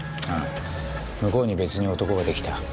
ああ向こうに別に男ができた。